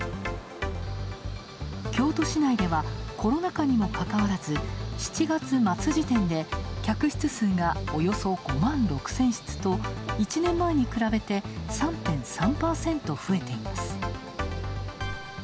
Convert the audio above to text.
京都市内ではコロナ禍にもかかわらず７月末時点で客室数がおよそ５万６０００室と１年前に比べて３．３％増えています。